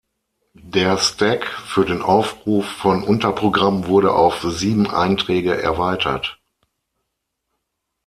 Der Stack für den Aufruf von Unterprogrammen wurde auf sieben Einträge erweitert.